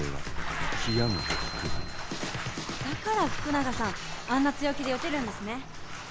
だから福永さんあんな強気で撃てるんですね。